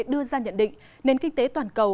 đưa ra nhận định nền kinh tế toàn cầu